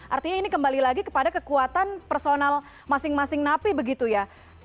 artinya ini kembali lagi kepada kekuatan personal masing masing napi begitu ya